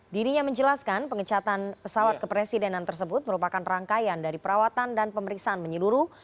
dirinya menjelaskan pengecatan pesawat kepresidenan tersebut merupakan rangkaian dari perawatan dan pemeriksaan menyeluruh